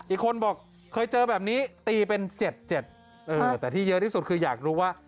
อีกคนบอกเคยเจอแบบนี้ตีเป็น๗๗แต่ที่เยอะที่สุดคืออยากรู้ว่า